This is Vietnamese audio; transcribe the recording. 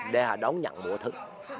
để họ đóng nhận bộ thức